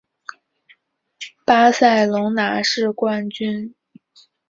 巴塞隆拿是冠军。